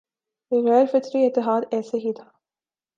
یہ غیر فطری اتحاد ایسے ہی تھا